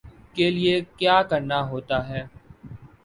کے لیے کیا کرنا ہوتا ہے